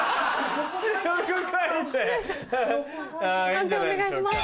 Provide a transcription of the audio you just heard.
判定お願いします。